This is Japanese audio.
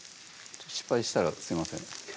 失敗したらすいません